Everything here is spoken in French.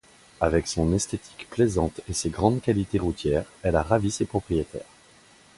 Avec son esthétique plaisante et ses grandes qualités routières, elle a ravit ses propriétaires.